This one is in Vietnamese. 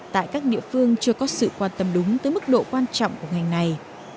tại các địa phương chưa có sự quan tâm đúng tới mức độ quan trọng của ngành này